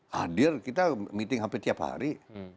hadir kita meeting hampir tiap hari